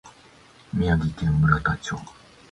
宮城県村田町